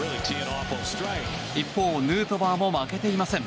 一方、ヌートバーも負けていません。